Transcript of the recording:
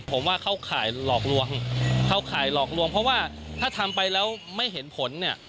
ผมว่าเขาขายหลอกลวงเพราะว่าถ้าทำไปแล้วไม่เห็นผล